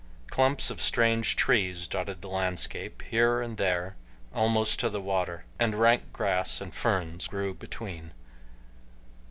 Clumps of strange trees dotted the landscape here and there almost to the water, and rank grass and ferns grew between.